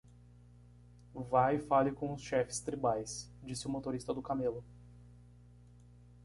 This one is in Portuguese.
"Vá e fale com os chefes tribais?" disse o motorista do camelo.